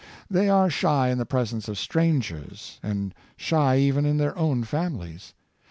They are shy in the presence of strangers, and shy even in their own families.